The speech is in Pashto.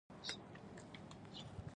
يوه ګوته او دوه ګوتې